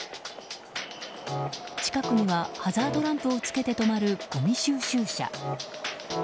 近くにはハザードランプをつけて止まる、ごみ収集車。